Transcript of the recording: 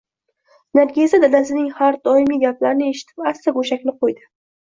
Nargiza dadasining har doimgi gaplarini eshitib, asta go`shakni qo`ydi